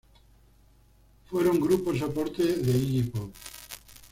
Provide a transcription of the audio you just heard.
Fueron grupo soporte de Iggy Pop.